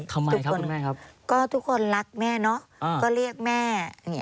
ใช่ทุกคนรักแม่เนอะก็เรียกแม่